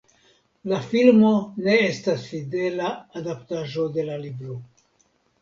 La filmo ne estas fidela adaptaĵo de la libro.